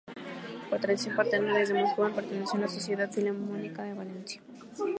Por tradición paterna, desde muy joven perteneció a la Sociedad Filarmónica de Valencia.